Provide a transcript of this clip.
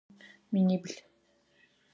Минибл.